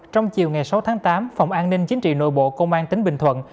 trong chiều ngày sáu tháng tám phòng an ninh chính trị nội bộ công an tỉnh bình thuận